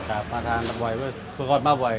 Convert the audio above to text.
ครับมาทานบางทุกวันน้อยได้เพื่อกอดมาบ่อย